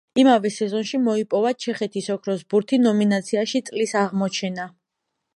იმავე სეზონში მოიპოვა ჩეხეთის ოქროს ბურთი ნომინაციაში „წლის აღმოჩენა“.